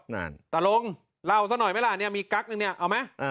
นั่นตาลงเล่าซะหน่อยไหมล่ะเนี่ยมีกั๊กนึงเนี่ยเอาไหม